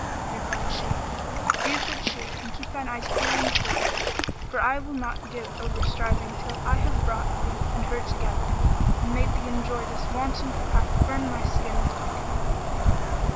Replied she, "Be of good cheer and keep thine eyes cool and clear, for I will not give over striving till I have brought thee and her together, and made thee enjoy this wanton who hath burnt my skin with beating."